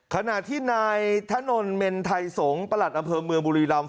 ขณะที่นายถนนเมนไทยสงศ์ประหลัดอำเภอเมืองบุรีรำ